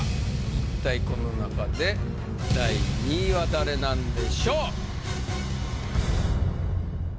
一体この中で第２位は誰なんでしょう？